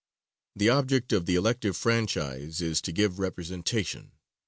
The object of the elective franchise is to give representation.